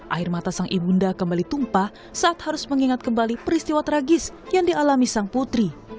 air mata sang ibunda kembali tumpah saat harus mengingat kembali peristiwa tragis yang dialami sang putri